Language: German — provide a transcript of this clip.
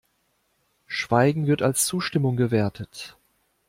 Schweigen wird als Zustimmung gewertet.